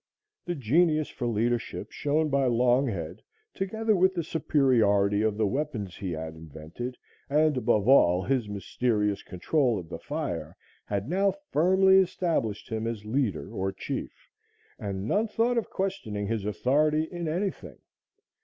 The genius for leadership shown by Longhead, together with the superiority of the weapons he had invented, and, above all, his mysterious control of the fire, had now firmly established him as leader or chief, and none thought of questioning his authority in anything.